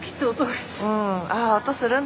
うん。